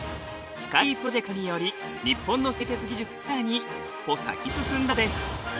スカイツリープロジェクトにより日本の製鉄技術はさらに１歩先に進んだのです。